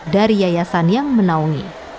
dari yayasan yang menaungi